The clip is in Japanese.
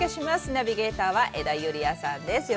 ナビゲーターは江田友莉亜さんです。